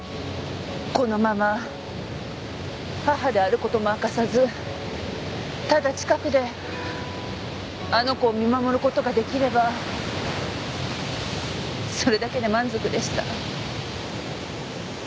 このまま母である事も明かさずただ近くであの子を見守る事が出来ればそれだけで満足でした。